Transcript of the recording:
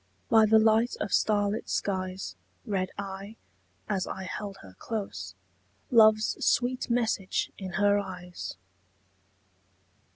By the light of starlit skies Read I, as I held her close, Love's sweet message in her eyes.